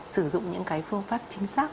sử dụng những cái phương pháp chính xác